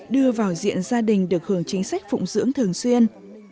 đưa vào diện gia đình được hưởng chính sách phụng dưỡng thường xuyên